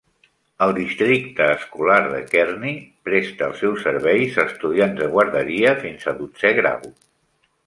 El districte escolar de Kearny presta els seus serveis a estudiants de guarderia fins a dotzè grau.